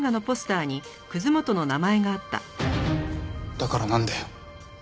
だからなんだよ？